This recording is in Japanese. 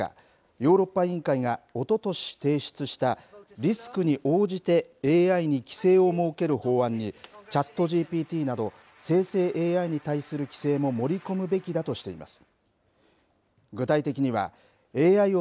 ヨーロッパ委員会がおととし提出したリスクに応じてＡＩに規制を設ける法案にＣｈａｔＧＰＴなど生成ＡＩに対する規制も盛り込むべきだとしています。